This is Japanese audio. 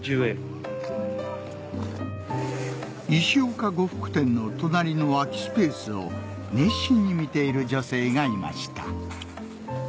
石岡呉服店の隣の空きスペースを熱心に見ている女性がいました